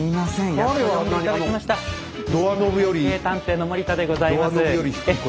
「歴史探偵」の森田でございます。